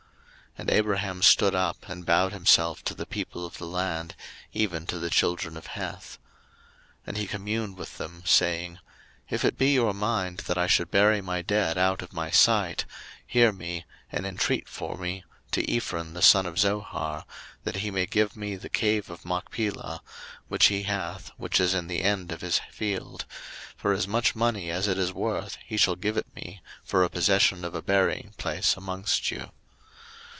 01:023:007 And Abraham stood up, and bowed himself to the people of the land, even to the children of Heth. 01:023:008 And he communed with them, saying, If it be your mind that I should bury my dead out of my sight; hear me, and intreat for me to Ephron the son of Zohar, 01:023:009 That he may give me the cave of Machpelah, which he hath, which is in the end of his field; for as much money as it is worth he shall give it me for a possession of a buryingplace amongst you.